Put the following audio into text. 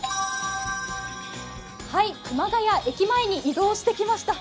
谷駅前に移動してきました。